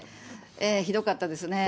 ひどかったですね。